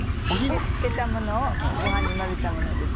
漬けたものをご飯に混ぜたものです。